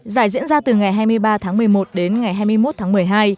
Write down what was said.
giải diễn ra từ ngày hai mươi ba tháng một mươi một đến ngày hai mươi một tháng một mươi hai